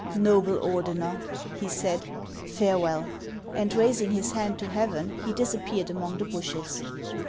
" Xoble Ordener," he said, " farewell." And raising his hand to heaven, he disappeared among the bushes.